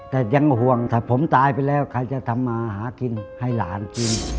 แต่ยังห่วงถ้าผมตายไปแล้วใครจะทำมาหากินให้หลานกิน